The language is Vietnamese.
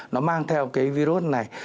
nó mang theo cái virus này